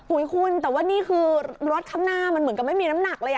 คุณแต่ว่านี่คือรถข้างหน้ามันเหมือนกับไม่มีน้ำหนักเลย